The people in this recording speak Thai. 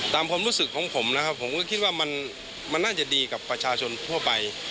ความรู้สึกของผมนะครับผมก็คิดว่ามันน่าจะดีกับประชาชนทั่วไป